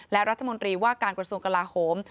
และรัฐมนตรีว่าการกระทรวงกลาโหม